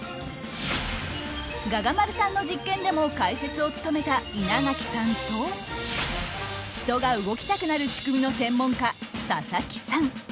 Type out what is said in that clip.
臥牙丸さんの実験でも解説を務めた稲垣さんと人が動きたくなる仕組みの専門家佐々木さん。